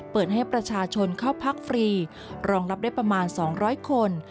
เปิดให้ประชาชนเข้าพักฟรีรองรับได้ประมาณ๒๐๐คน